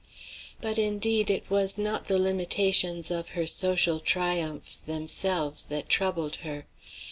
But, indeed, it was not the limitations of her social triumphs themselves that troubled her.